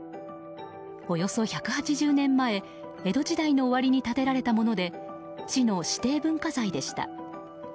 およそ１８０年前、江戸時代の終わりに建てられらもので市の指定文化財でした。